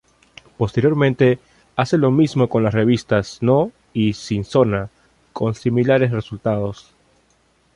Posteriormente hace lo mismo con las revistas ""No"" y ""Sin Zona"", con similares resultados.